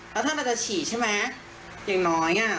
แล้วถ้าเราจะฉีดใช่ไหมอย่างน้อย